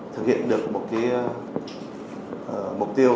thực hiện được một mục tiêu